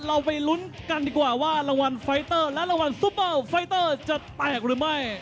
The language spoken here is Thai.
เราไปลุ้นกันดีกว่าว่ารางวัลไฟเตอร์และรางวัลซูเปอร์ไฟเตอร์จะแตกหรือไม่